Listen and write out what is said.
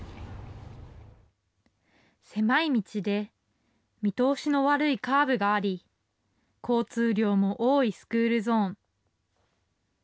狭い道で見通しの悪いカーブがあり、交通量も多いスクールゾーン。